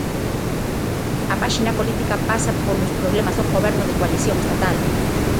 A páxina política pasa polos problemas do goberno de coalición estatal.